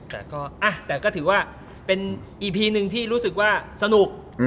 แต่ก็แต่ก็ถือว่าเป็นอีพีหนึ่งที่รู้สึกว่าสนุก